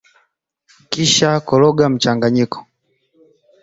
Kisha koroga mchanganyiko